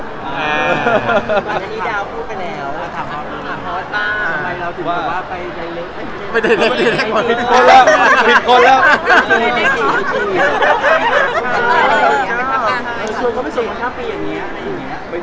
มันคือความสุขประชาปี่อย่างนี้